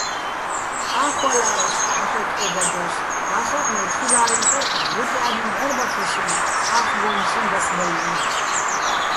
ა́ხვალა́რასო̆, მოჰ̦ე́ ტყო́ბადოს, და́ხაჸ მე თხილა́რეჼ პარკ ღრუტჲა́ლ'ენო̆ ბჵარბახეჼ სოჼ, ა́ხგო́მცი ბასბაჲლნო̆.